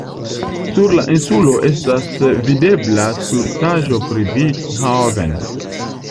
Sur la insulo estas videbla skulptaĵo pri Beethoven.